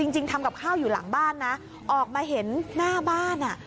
จริงทำกับข้าวอยู่หลังบ้านนะออกมาเห็นหน้าบ้านอ่ะ